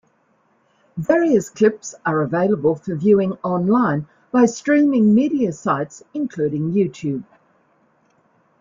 Various clips are available for viewing online by streaming media sites, including YouTube.